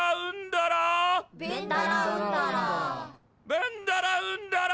ベンダラウンダラ。